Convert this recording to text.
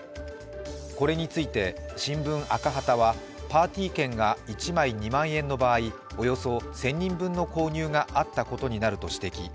これについて、しんぶん赤旗は、パーティー券が１枚２万円の場合、およそ１０００人分の購入があったことになると指摘。